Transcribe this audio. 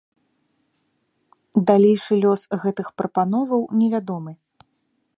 Далейшы лёс гэтых прапановаў невядомы.